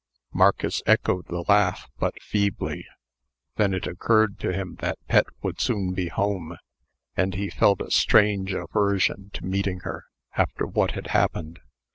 Marcus echoed the laugh, but feebly. Then it occurred to him that Pet would soon be home, and he felt a strange aversion to meeting her, after what had happened.